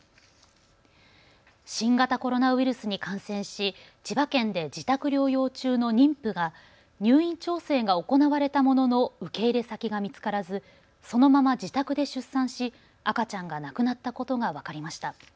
新型コロナウイルスに感染し千葉県で自宅療養中の妊婦が入院調整が行われたものの受け入れ先が見つからずそのまま自宅で出産し赤ちゃんが亡くなったことが分かりました。